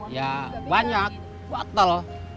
ya banyak gatel